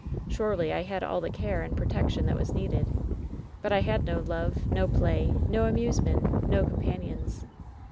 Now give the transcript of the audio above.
Surely I had all the care and protection that was needed. But I had no love, no play, no amusement, no companions.